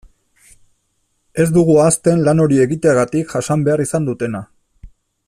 Ez dugu ahazten lan hori egiteagatik jasan behar izan dutena.